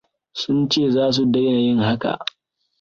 Sun ce za su daina yin haka.